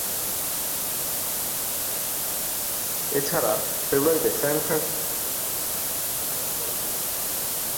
এছাড়া ফেব্রুয়ারিতে সান ফ্রান্সিসকোতে অতিরিক্ত কিছু দৃশ্যধারণ করা হয়েছিল।